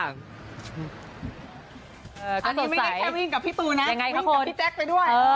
อันนี้ไม่ได้แค่วิ่งกับพี่ตูนนะวิ่งกับพี่แจ๊คไปด้วย